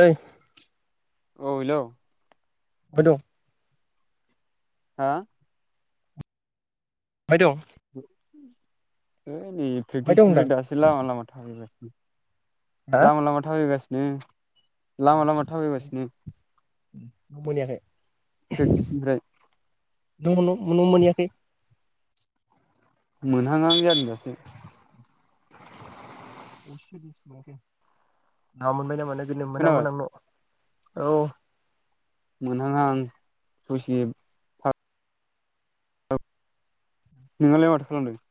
हैै औ हेलौ होद हा अफाय दं [inaudible] ओम बहाय दं होनदां प्रेकटिसनिफ्राय दासो लामा लामा हा [inaudible] लामा लामा थाबायगासि ओम न' मोनहैयाखै प्रेक्टिसनिफ्राय न' मोनयाखै? मोनहां हां जादों दासो अबेसिमसो मोनखो मोनबायना मानो बिदिनो मोनां खोनाबाय मोनां न' औ मोनहांहां ससे नोंहालाय माथो खालामदों?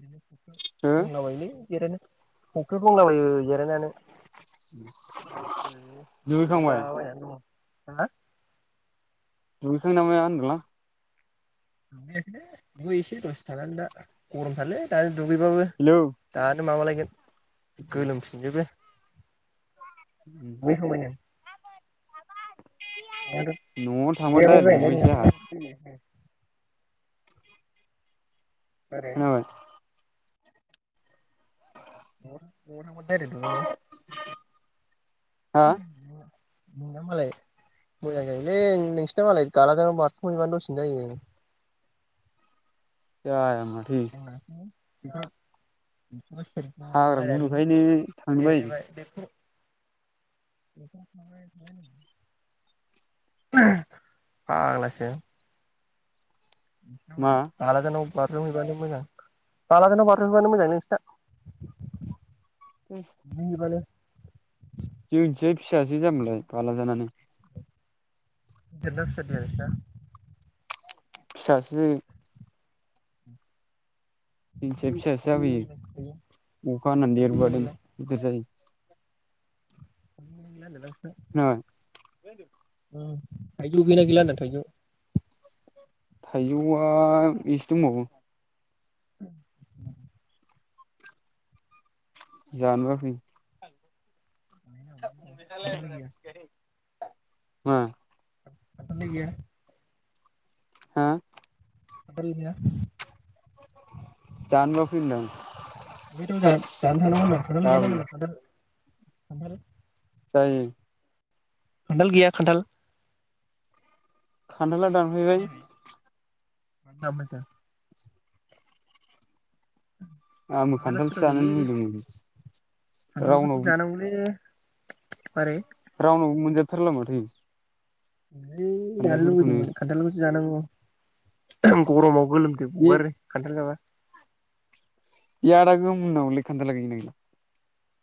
बिदिनो हो दंलाबायोलै जिरायना। फख्रियाव दंलाबायो जिरायनानै। उम ओरैनो जिरायला बायनानै दङ'। [unintelligible] दुगैखांबायनामा होनदोंलां? दुगैयाखै दुगैहैसै दसे थानानै दा गरमथारलै दा दुगैबाबो हेलौ दानो माबा लाायगोन गोलोम फिनजोबो [unintelligible] न'आव थांबा डाइरेक्ट दुगैयाबाबो जायो दुगैसै आंहा [unintelligible] मारै खोनाबाय न'आव‌ न' आव‌थां बाय दुगैनो हा ए नोंना मालाय मोजां जायोलै नोंसोरना मालाय गालाजों बारथुमहैबानो दसेनो जायो। द जोंनासो हाग्रा गुदुखायनो [unintelligible] थांनो बायो [unintelligible] [unintelligible] फाग्लासो नोंसिना मा मालाय बालाजानाव बाज्रुम हैबानो मोजां [unintelligible] बाज्रुमहैबानो मोजांलै नोंसिना [unintelligible] जोंनिथिंजाय फिसाजो जामोन लाय [unintelligible] गिदिर ना फिसानो [unintelligible] फिसासो जोंनिथिं फिसासो नोंसिना थाइजौ जाबोयो अखा हानानै देरबोबादेन गिदिर जायो [unintelligible] [unintelligible] मा होनदों थाइजौ गैगोना गैला होनदों थायजौ थाइजौआ एसे दंबावो [unintelligible] जानोबा फै [unintelligible] नोंसालाय गैया मा खान्थाल लाय गैया हा खानथाल गैया जानोबा फैब्रा इखायथ' जानो जानो थांनांगौ होनदां खानथाल गैया गाबोन नामा होनदों खानथाल खानथाल जायो खानथाल गैया खानथाल खानथाला दानफायबाय खोनायाखै मानो दानफायखो? आंबो खान्थाला खान्थालसो गोथाव जानानै जायोलै लुगैदोंमोन खान्थालखौसो रावनावबो जानांगौलै मारै रावनावबो मोनजाथारला माथो है जानो खान्थालफोरखौनो लुगैदोंमोन खानथालखौ जानांगौ गरमाव गोलोमदै बे गगारो खानथाल जाबा इ आदा [unintelligible] खानथाला गैगोना गैला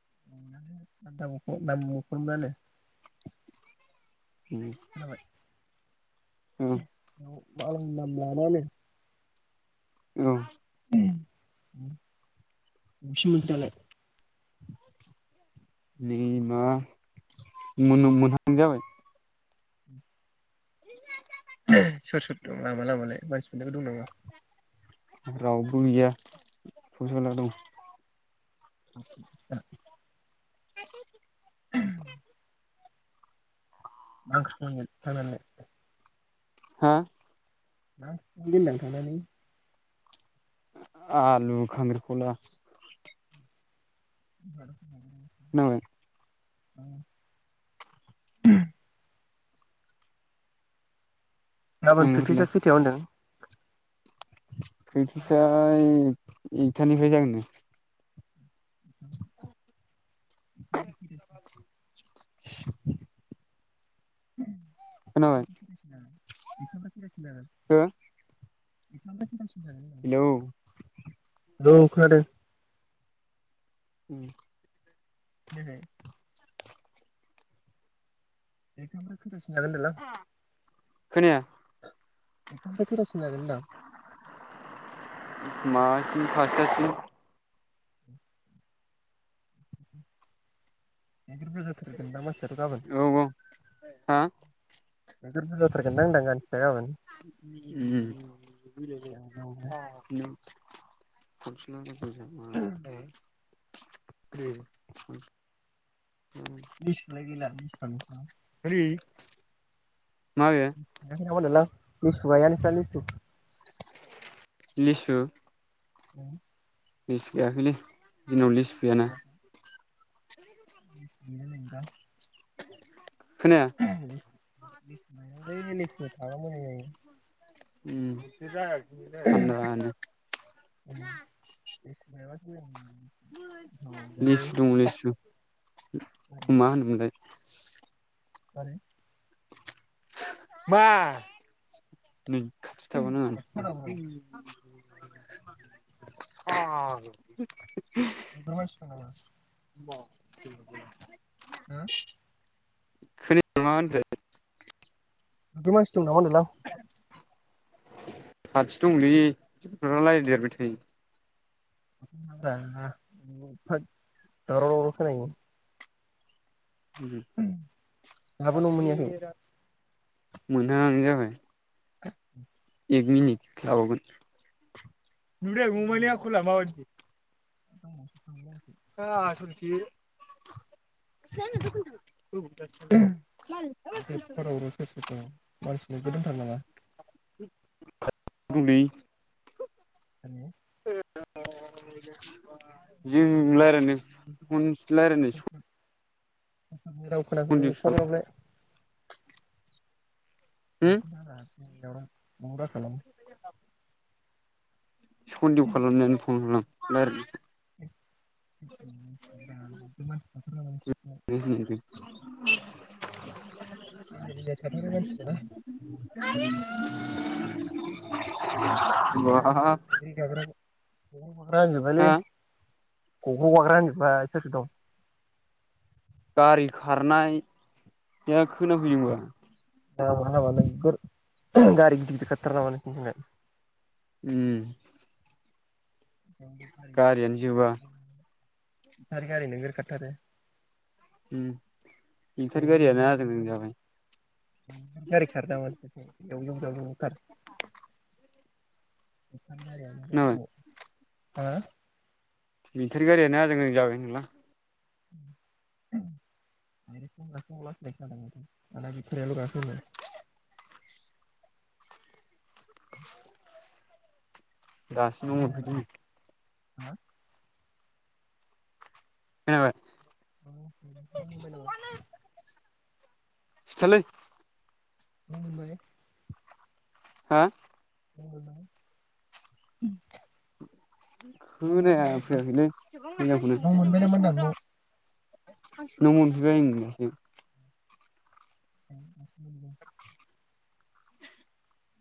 [unintelligible] ओम ओं मालायनि नाम लाला नो औ [unintelligible] अबेसिम मोनखो दालाय नै मा मोन मोनहां जाबाय सोर सोर दं लामा लामालाय मानसि फोरबो दं नामा? रावबो गैया [unintelligible] [inaudible] [inaudible] [unintelligible] हा [unintelligible] थांनानै आलु खांख्रिं खला [inaudible] खोनाबाय [inaudible] गाबोन आंफोरलाय प्रेकटिसा खैथायाव होनदों प्रेक्टिसा ओंखामफ्रा प्रिकतिसाय एकथानिफ्राय जागोननो [inaudible] [inaudible] [inaudible] [unintelligible] खोनाबाय एफा लासै लासै खोनादों [inaudible] हेलौ औ खोनादों उ जेरै बेखौबो जों [unintelligible] ओंखामखौ खोनाया खैथासोआव जागोन होनदों आं मासि फासथासिम [unintelligible] औ गाबोन हा बेदरथ' जाथारगोनदां उम। गाबोन [unintelligible] [unintelligible] ओम। बिसि लायो बे नानि बेसेनानोथ' माबे [unintelligible] लां लिसु गाया नोंसा लिसु? लिसु उम। लिसु जायाखै लैय जोंनाव लिसु गैया ना। गायाखै। [unintelligible] [unintelligible] [unintelligible] [unintelligible] उम बे उम जाया [unintelligible] [unintelligible] गोथाव जाजायो लिसु दं लिसु मा होनोमोनलाय? आरे मा नै खाथि थाबाव‌ नाङा‌ नोंथां न'खराव [unintelligible] [unintelligible] ओमफ्राय मानसि [unintelligible] [unintelligible] होम खोनायखै मा होनखो? नोंजों मानसि दं नामा होदोलां? खाथि दंलै रायलाय देरबाय थायो। [unintelligible] दावराव खोनायो। उम दाबो न' मोनहैयाखै? रादे रा मोनहां हां‌ जाबाय। एक मिनिट लाबावगोन। नुदों अमानि आखला मादि। [unintelligible] आसलसो [unintelligible] मानसिनो गोरोंथार नामा [unintelligible] दंलै [unintelligible] [unintelligible] जों रायज्लायनो [unintelligible] सोरनि राव खोनाखो एफाग्राबलाय [inaudible] होम [unintelligible] [unintelligible] [unintelligible] सन्देह खालामनानै फन खालाम बार [unintelligible] [unintelligible] [unintelligible] गग्र' गाग्रा होनजोबबाय आयौ बवाहा हा [unintelligible] राजिबालै गग्र' गाग्रा होनजोबबाय सोरसोर दं गारि खारनाया खोनाफैदोंबा हाबाब हाबाब नगोर गारि गिदर गिदिर खारथारो नामा नोंसिनिथिंलाय उम जनोरि गारियानो जोबा [unintelligible] बेटारि गारि नोगोर खारथारो हम बेटारि गारियानो आजां गाजां जाबाय एवलुं जावलुं थार खोनाबाय [unintelligible] हा बेटारि गारियानो आजां गाजां जाबाय होनदोंलां [unintelligible] [inaudible] दासो न नों मोनबाय मोनफैदों नै हा खोनाबाय न' मोनबायनामा? सिथालै न' मोनबाय? हा न' मोनबाय? मोनाखै नामा होनदों खोनायाखैनो न' मोनबाय नामा होनदां न' मोनफैबाय ओं दासो दासो मोनहैदों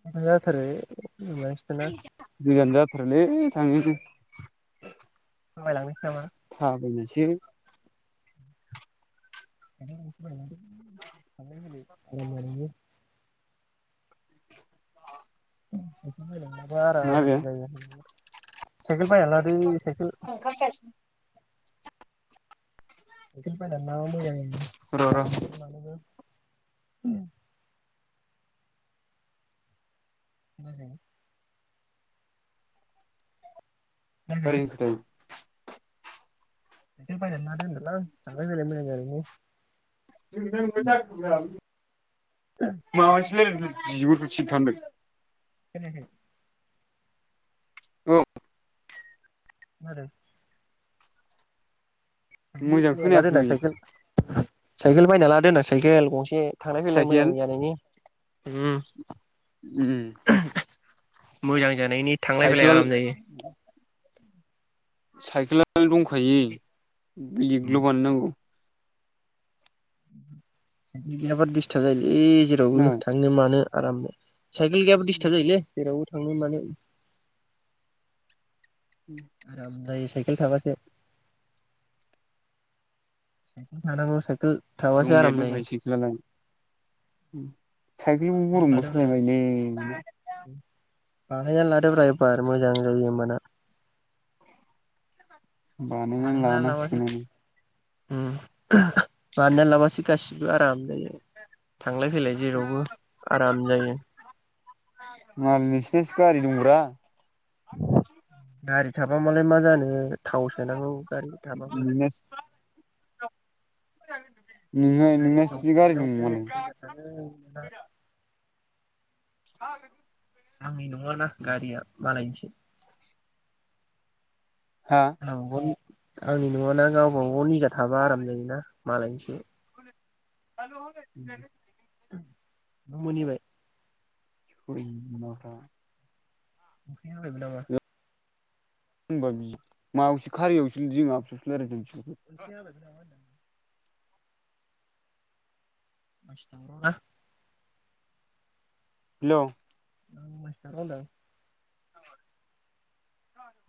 माथो जाथारै [unintelligible] [unintelligible] थांनि जों थाबायलांदों थाबायनोस [unintelligible] [unintelligible] थांलाय फैलाय [unintelligible] उम सासेया माइ लांबाय बारा माबे आजादि [unintelligible] साइकेल बायनानै लादो साइकेल र' र' [unintelligible] उम खोनायाखै ओरै होनखोदों साइकेल बायनानै लादो होनदोंलां थांलाय फैलाय मोजां जानायनि [unintelligible] मास [unintelligible] बिगुरफोर सिरिथा होन्दों खोनायाखै औ ना दों मोजां साइकेल बायना लादो‌ खोनायाखै होनदां साइकेल साइकेल बायना लादो होनदां साइखेल गंसे थांलाय फैलाय मोजां साइकेल जानायनि उम उम मोजां जानायनि थांलाय फैलाय साइकेला आराम जायो साइकेला लानो दंखायो साइकेल लिगल' बानायनांगौ साइकेल गैयाबा दिसथाब जायोल ए जेरावबो खोनाबाय थांनो मानो आरामनो साइकेल गैयाबा दिसथाब जायोलै जेरावबो थांनो मानो आरो आं दाइस साइकेल थाबासो साइकेल थानांगौ साइकेल थाबासो दंनाया आराम जायो दंखायो साइकेलालाय साइकेलबो गरमाव लादोब्रा सालायनोबायोलै बानायना लादोब्रा एबार मोजां जायो एबारना बानायनानै लानांसिगोन उ बानायना लाबासो गासि बो आराम जायो थांलाय फैलाय जेरावबो आराम जायो। मालाय‌ नोंसिनासो गारि दंब्रा गारि थाबा मालाय मा जानो थाव सोनांगौ गारि बि थाबाबो [unintelligible] नोंना गारि थाव‌ नोंनासो गारि दं सोनायावनो मालाय देनजार थांङो ह आंनि नङाना गारिया मालायनिसो हा औ आंनि नङाना गावबा गाव निजा थाबा आराम जायोना मालायनिसो [unintelligible] न' मोनहैबाय? सैमा उखैहांलायबायनामा होनबा बि मायावसो खारियावसो [unintelligible] मोनसे‌ आगवलायदोंना मा होनदों मा हेलौ [unintelligible]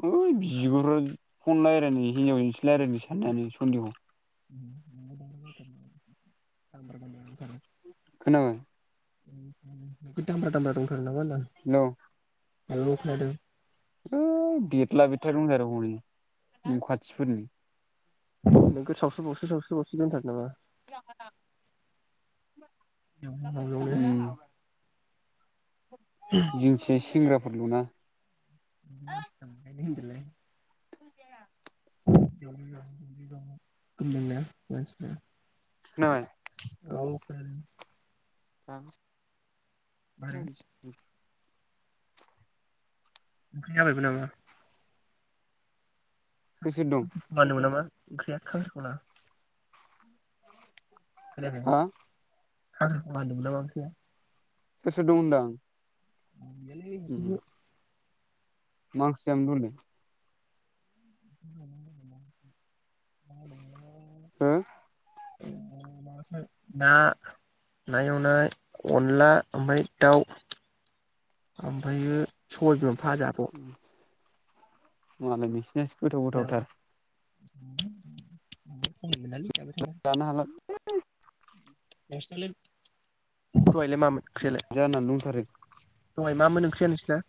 है बिब' फन रायज्लायनो हिनजावजोंसो रायज्लायनो साननानै सन्देह [unintelligible] खोनाबाय नोगोद दामब्रा दामब्रा दंलै न खोनादों है बेतला बे दंथारो हनै न' खाथिफोरनि नोंखौ सावसो बावसो सावसो बावसो नांथारो नामा हावलावनो उ जोंनिसायसो सेंग्रा [unintelligible] [unintelligible] ज ज [unintelligible] खोनाबाय औ खोनादों [unintelligible] मारै [inaudible] ओंख्रि जाबायबो नामा? सोर सोर दं मानो [unintelligible] ओंख्रिया खांख्रिखला हा खोनायाखै [unintelligible] सोर सोर दं होनदां रावबो गैयालै उम हारसिंसो मा ओंख्रि जायामोन दहायलाय [inaudible] हो ना ना एवनाय अनला ओमफ्राय दाउ ओमफ्रायो सबाय बिमाबो भाजाबाव मालाय नोंसिनास गोथाव गोथावथार [inaudible] [unintelligible] [inaudible] [unintelligible] मामोन ओंख्रिया लाय जानानै दंथारो सबा मा मोन ओंख्रिया नोंसिना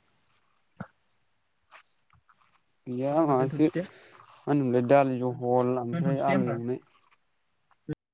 दे गैया होमबा मासो दोनथ'नोसै मा दे होनोमोनलाय दालि जहल ओमफ्राय दोनथ'नोसै दे आलु होमबा एवनाय